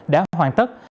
đã hoàn tất